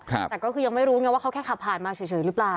แต่ก็คือยังไม่รู้ไงว่าเขาแค่ขับผ่านมาเฉยหรือเปล่า